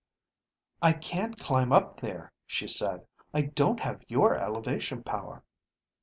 "I can't climb up there," she said, "I don't have your elevation power."